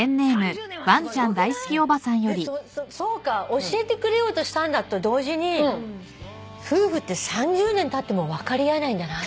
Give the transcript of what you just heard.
教えてくれようとしたんだと同時に夫婦って３０年たっても分かり合えないんだな。